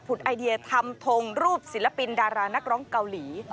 ไอเดียทำทงรูปศิลปินดารานักร้องเกาหลี